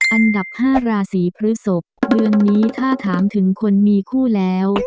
อันดับ๕ราศีพฤศพเดือนนี้ถ้าถามถึงคนมีคู่แล้ว